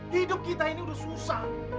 hidup kita ini sudah susah